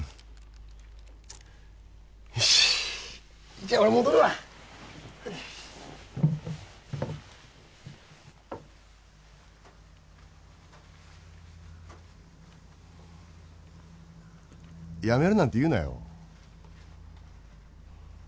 じゃあ俺戻るわ辞めるなんて言うなよ